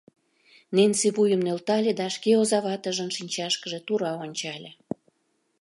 Ненси вуйым нӧлтале да шке озаватыжын шинчашкыже тура ончале.